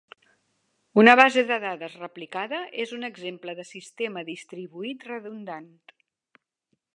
Una base de dades replicada és un exemple de sistema distribuït redundant.